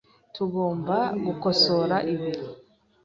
Tugomba gukosora ibi .